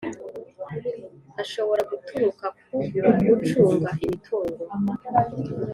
Ashobora guturuka ku ucunga imitungo